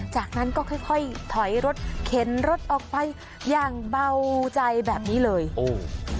จากนั้นก็ค่อยค่อยถอยรถเข็นรถออกไปอย่างเบาใจแบบนี้เลยโอ้